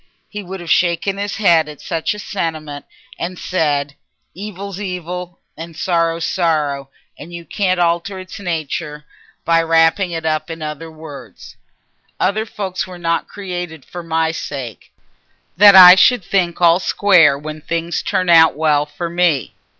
He would have shaken his head at such a sentiment and said, "Evil's evil, and sorrow's sorrow, and you can't alter it's natur by wrapping it up in other words. Other folks were not created for my sake, that I should think all square when things turn out well for me."